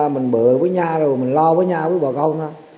mình bự với nhà rồi mình lo với nhà với bà con thôi